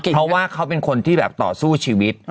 เพราะว่าเขาเป็นคนที่แบบต่อสู้ชีวิต